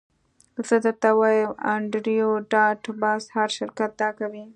زه درته وایم انډریو ډاټ باس هر شرکت دا کوي